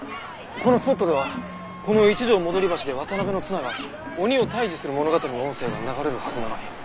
このスポットではこの一条戻橋で渡辺綱が鬼を退治する物語の音声が流れるはずなのに。